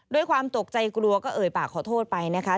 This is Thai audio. ด้วยความตกใจกลัวก็เอ่ยปากขอโทษไปนะคะ